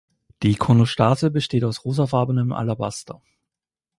Die Ikonostase besteht aus rosafarbenem Alabaster.